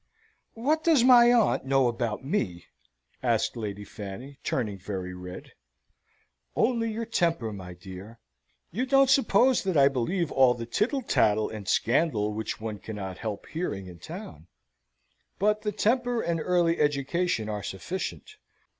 "What does my aunt know about me?" asked Lady Fanny, turning very red. "Only your temper, my dear. You don't suppose that I believe all the tittle tattle and scandal which one cannot help hearing in town? But the temper and early education are sufficient.